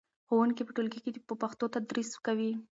ښوونکي په ټولګي کې په پښتو تدریس کوي.